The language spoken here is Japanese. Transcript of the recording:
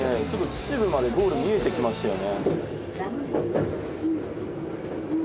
秩父までゴール見えてきましたよね。